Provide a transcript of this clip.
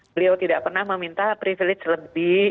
beliau tidak pernah meminta privilege lebih